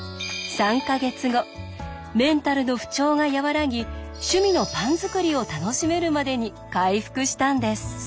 メンタルの不調が和らぎ趣味のパン作りを楽しめるまでに回復したんです。